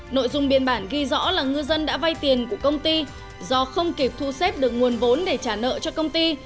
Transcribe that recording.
nội dung biên bản ghi rõ là ngư dân đã vay tiền của công ty do không kịp thu xếp được nguồn vốn để trả nợ cho công ty